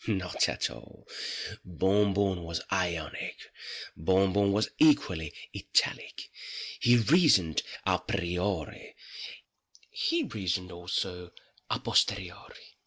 Not at all. Bon Bon was Ionic—Bon Bon was equally Italic. He reasoned à priori—He reasoned also à posteriori.